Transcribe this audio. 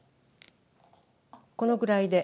このくらいで。